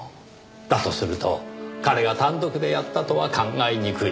だとすると彼が単独でやったとは考えにくい。